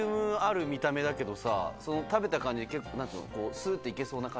ボリュームある見た目だけどさ、その食べた感じ、結構、なんていうの、すーっていけそうな感じ？